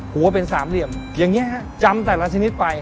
หัวเป็นสามเหลี่ยมอย่างนี้ฮะจำแต่ละชนิดไป